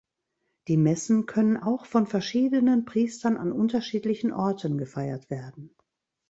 Die Messen können auch von verschiedenen Priestern an unterschiedlichen Orten gefeiert werden.